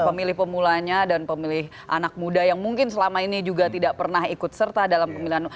pemilih pemulanya dan pemilih anak muda yang mungkin selama ini juga tidak pernah ikut serta dalam pemilihan